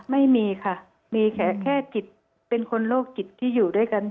ไม่มีค่ะมีแค่จิตเป็นคนโรคจิตที่อยู่ด้วยกัน